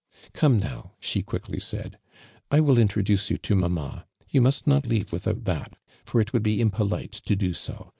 •'Come, now."" >iie (juickly said; '' 1 will introduce you to mannna. Vou nuist not leave without tliat, for it would bo impolite to do so.